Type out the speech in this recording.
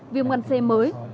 viêm gan c mới